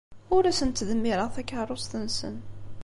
Ur asen-ttdemmireɣ takeṛṛust-nsen.